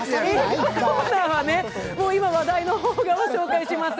次のコーナーは今、話題の邦画を紹介します。